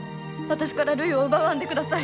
私からるいを奪わんでください。